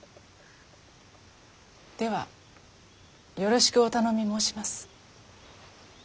ではよろしくお頼み申します。